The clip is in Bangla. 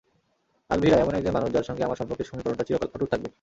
আলভিরা এমন একজন মানুষ, যাঁর সঙ্গে আমার সম্পর্কের সমীকরণটা চিরকাল অটুট থাকবে।